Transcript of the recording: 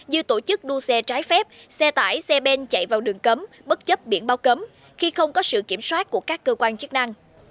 như tổ chức đua xe trái phép xe tải xe ben chạy vào đường cấm bất chấp biển bao cấm khi không có sự kiểm soát của các cơ quan chức năng